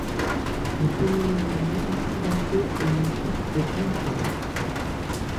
Un cheminement moins accidenté et une suite de grandes salles.